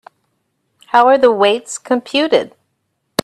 How are the weights computed?